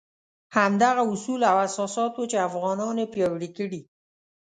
همدغه اصول او اساسات وو چې افغانان یې پیاوړي کړي.